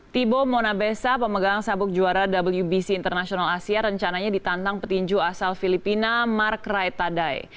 thibo monabesa pemegang sabuk juara wbc international asia rencananya ditantang petinju asal filipina mark raitadai